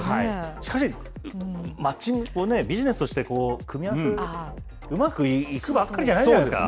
しかし、マッチングをビジネスとして組み合わせ、うまくいくばっかりじゃないじゃないですか。